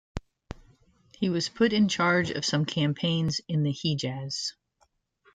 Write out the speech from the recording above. He was put in charge of some campaigns in the Hejaz.